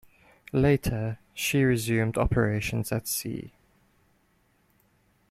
Later, she resumed operations at sea.